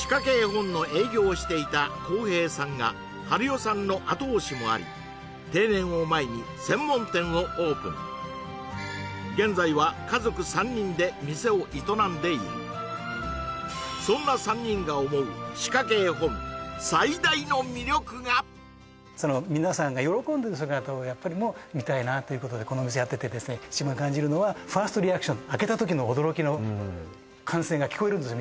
晴代さんの後押しもあり定年を前に専門店をオープン現在は家族３人で店を営んでいるそんな３人が思う皆さんが喜んでる姿をやっぱり見たいなということでこのお店やっててですね一番感じるのはファーストリアクション開けた時の驚きの歓声が聞こえるんですよ